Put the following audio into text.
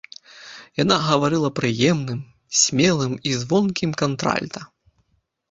Яна гаварыла прыемным, смелым і звонкім кантральта.